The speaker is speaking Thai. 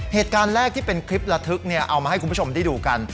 เหตุการณ์แรกที่เป็นคลิประทึกเอามาให้คุณผู้ชมได้ดูกัน